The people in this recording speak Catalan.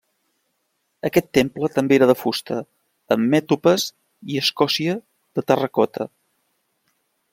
Aquest temple també era de fusta, amb mètopes i escòcia de terracota.